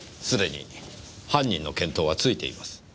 すでに犯人の見当はついています。